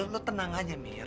lu tenang aja mir